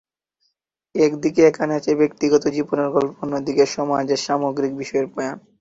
একদিকে এখানে আছে ব্যক্তিগত জীবনের গল্প, অন্যদিকে সমাজের সামগ্রিক বিষয়ের বয়ান।